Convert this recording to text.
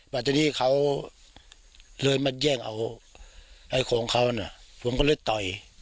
บัตรนี้เขาเลยมาเยี่ยงเอาไอของเขาเนี่ยผมก็เลยต่อย